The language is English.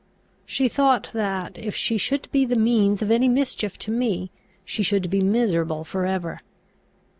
She thought that, if she should be the means of any mischief to me, she should be miserable for ever.